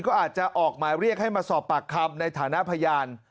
ก็อาจจะออกหมายเรียกให้มาสอบปากคำในฐานะพยาน